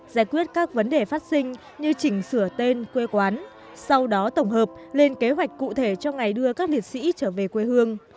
giải quyết các vấn đề phát sinh như chỉnh sửa tên quê quán sau đó tổng hợp lên kế hoạch cụ thể cho ngày đưa các liệt sĩ trở về quê hương